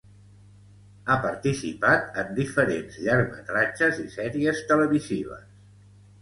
Ha participat en diferents llargmetratges i sèries televisives.